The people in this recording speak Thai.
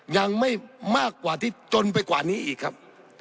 ยังไม่มากกว่าที่จนไปกว่านี้อีกครับ